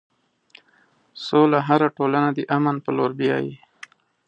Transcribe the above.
سوله هره ټولنه د امن په لور بیایي.